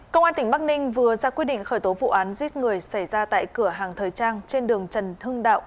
công an tỉnh bắc ninh vừa ra quyết định khởi tố vụ án giết người xảy ra tại cửa hàng thời trang trên đường trần hưng đạo